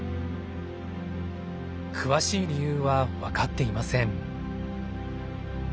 詳しい理由は分かっていません。